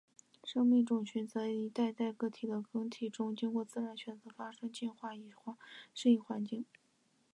生命种群则在一代代个体的更替中经过自然选择发生进化以适应环境。